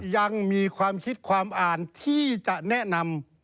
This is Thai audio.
ยังมีความคิดความอ่านที่จะแนะนำ